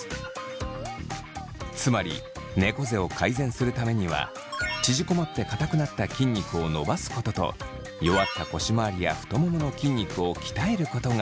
つまりねこ背を改善するためには縮こまってかたくなった筋肉を伸ばすことと弱った腰まわりや太ももの筋肉を鍛えることが必要なのです。